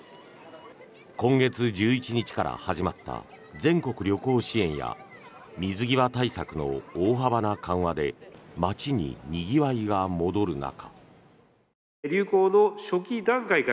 今月１１日から始まった全国旅行支援や水際対策の大幅な緩和で街に、にぎわいが戻る中。